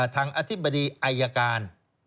ทางอธิบดีไอยการ